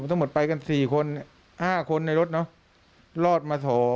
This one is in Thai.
ทั้งหมดไปกัน๔คน๕คนในรถเนอะรอดมา๒